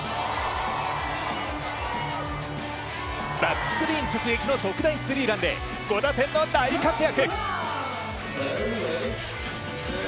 バックスクリーン直撃の特大ホームランで５打点の活躍。